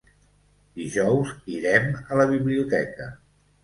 Dijous irem a la biblioteca.